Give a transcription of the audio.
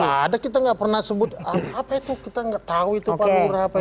ada kita nggak pernah sebut apa itu kita nggak tahu itu pandura apa itu